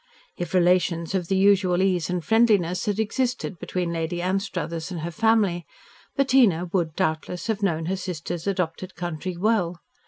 If relations of the usual ease and friendliness had existed between Lady Anstruthers and her family, Bettina would, doubtless, have known her sister's adopted country well.